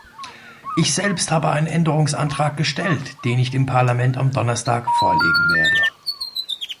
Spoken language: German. Ich selbst habe einen Änderungsantrag gestellt, den ich dem Parlament am Donnerstag vorlegen werde.